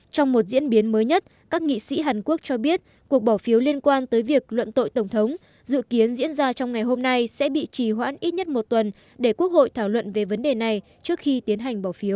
trong một diễn biến mới nhất các nghị sĩ hàn quốc cho biết cuộc bỏ phiếu liên quan tới việc luận tội tổng thống dự kiến diễn ra trong ngày hôm nay sẽ bị trì hoãn ít nhất một tuần để quốc hội thảo luận về vấn đề này trước khi tiến hành bỏ phiếu